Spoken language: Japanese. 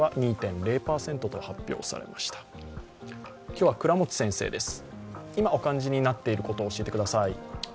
今日は倉持先生です、今お感じになっていることを教えてください。